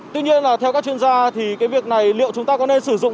tuy nhiên là theo các chuyên gia thì cái việc này liệu chúng ta có nên sử dụng